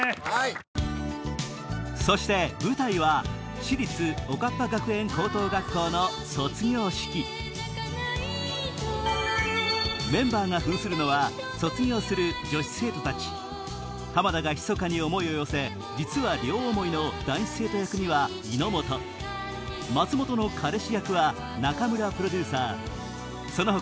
そして舞台は私立おかっぱ学園高等学校の卒業式メンバーが扮するのは卒業する女子生徒たち浜田がひそかに思いを寄せ実は両思いの男子生徒役には井本松本の彼氏役は中村プロデューサーその他